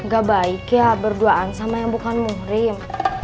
gak baik ya berduaan sama yang bukan muhrim